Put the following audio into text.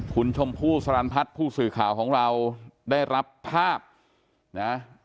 คุณชมพู่สรรพัฒน์ผู้สื่อข่าวของเราได้รับภาพนะ